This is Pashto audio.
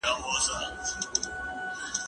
کېدای سي کالي نم وي؟!